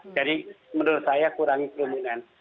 jadi menurut saya kurangi perumunan